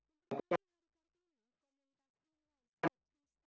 temuan tersebut terdapat di beberapa lokasi yang berbeda